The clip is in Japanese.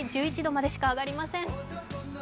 １１度までしか上がりません。